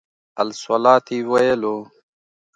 الصلواة یې ویلو.